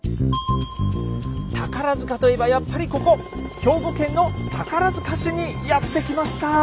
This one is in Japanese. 宝といえばやっぱりここ兵庫県の宝市にやって来ました！